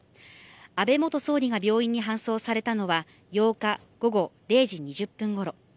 安倍元総理が病院に搬送されたのは８日午後０時２０分ごろ。